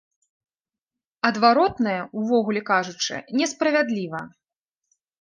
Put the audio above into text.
Адваротнае, увогуле кажучы, не справядліва.